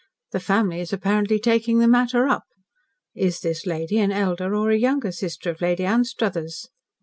The family is apparently taking the matter up. Is this lady an elder or a younger sister of Lady Anstruthers?